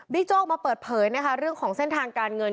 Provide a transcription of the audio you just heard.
โจ๊กออกมาเปิดเผยนะคะเรื่องของเส้นทางการเงิน